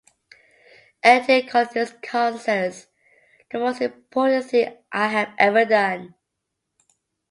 Ellington called these concerts the most important thing I have ever done.